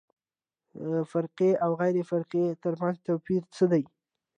د فقاریه او غیر فقاریه ترمنځ توپیر څه دی